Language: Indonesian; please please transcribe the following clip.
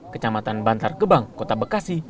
kecamatan bantar gebang kota bekasi